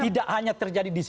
tidak hanya terjadi disana